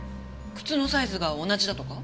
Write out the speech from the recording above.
靴のサイズが同じだとか？